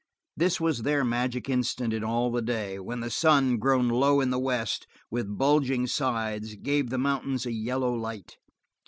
This was their magic instant in all the day, when the sun, grown low in the west, with bulging sides, gave the mountains a yellow light.